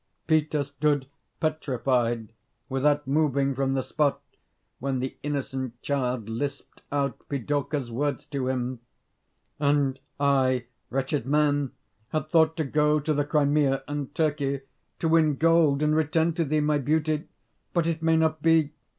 Peter stood petrified, without moving from the spot, when the innocent child lisped out Pidorka's words to him. "And I, wretched man, had thought to go to the Crimea and Turkey, to win gold and return to thee, my beauty! But it may not be.